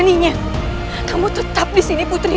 sesuatu yang tidak bisa dibenta